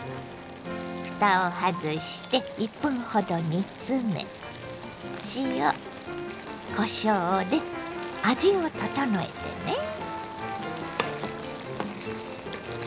ふたを外して１分ほど煮詰め塩こしょうで味を調えてね。